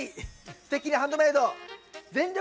「すてきにハンドメイド全力！